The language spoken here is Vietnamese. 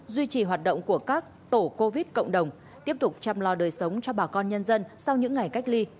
động của các tổ covid cộng đồng tiếp tục chăm lo đời sống cho bà con nhân dân sau những ngày cách ly